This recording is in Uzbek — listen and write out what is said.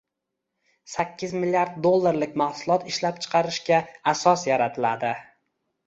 sakkiz milliard dollarlik mahsulot ishlab chiqarishga asos yaratiladi.